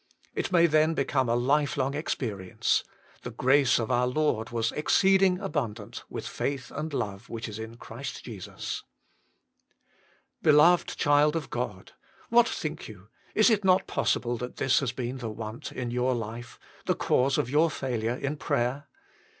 It may then become a lifelong experience :" The grace of our Lord was exceeding abundant, with faith and love which is in Christ Jesus." Beloved child of God ! what think you, is it not possible that this has been the want in your life, the cause of your failure in prayer?